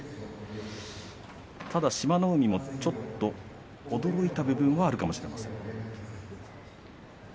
ただ志摩ノ海もちょっと驚いた部分があるかもしれません。